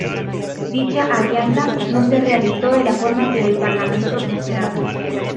Dicha alianza no se realizó de la forma que el parlamento esperaba.